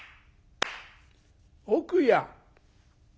「奥や」。